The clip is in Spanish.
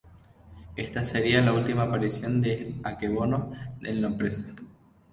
Esta sería la última aparición de Akebono en la empresa.